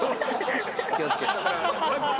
気を付けて。